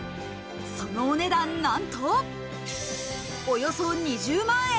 そのお値段、なんとおよそ２０万円。